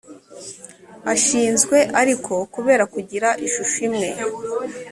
ashinzwe ariko kubera kugira ishusho imwe